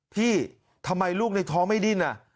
พี่ทำไมลูกในท้องไม่ดิ้น